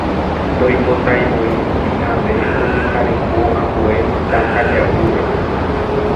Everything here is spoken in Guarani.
Ndoipotaivoíkuri ave ojesareko ambue mitãkariaʼýre.